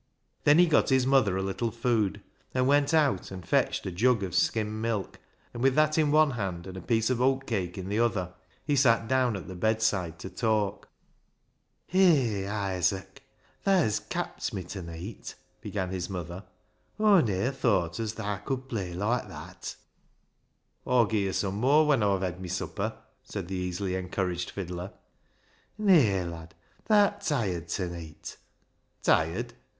Then he got his mother a little food, and went out and fetched a jug of skimmed milk, and with that in one hand and a piece of oat cake in the other he sat down at the bedside to talk. " Hay, Isaac ; thaa hez capt me ta neet," began his mother. " Aw ne'er thowt as thaa could play loike that." " Aw'll gi' yo' sum mooar when Aw've hed mi supper," said the easily encouraged fiddler. " Nay, lad, tha'rt tired ta neet." " Tired